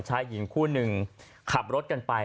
ชายหญิงคู่หนึ่งขับรถกันไป